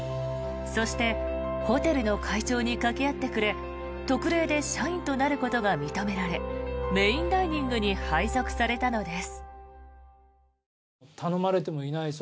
そして、ホテルの会長にかけ合ってくれ特例で社員となることが認められメインダイニングに配属されたのです。